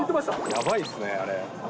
やばいっすね、あれ。